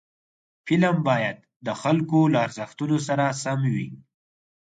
فلم باید د خلکو له ارزښتونو سره سم وي